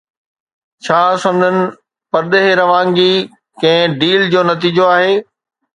ڇا سندن پرڏيهه روانگي ڪنهن ڊيل جو نتيجو آهي؟